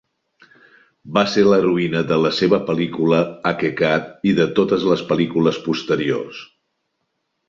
Va ser l'heroïna de la seva pel·lícula "Haqeeqat" i de totes les pel·lícules posteriors.